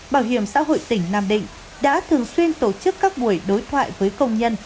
bảo hiểm xã hội tỉnh nam định đã thường xuyên tổ chức các buổi đối thoại với công nhân